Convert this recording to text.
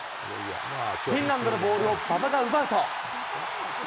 フィンランドのボールを馬場が奪うと。